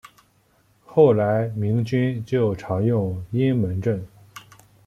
后来民军就常用阴门阵。